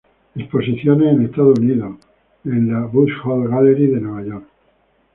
Exposiciones en Estados Unidos, en la Buchholz Gallery de Nueva York.